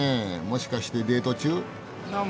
もしかしてデート中？